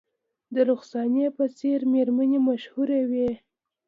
د رخسانې په څیر میرمنې مشهورې وې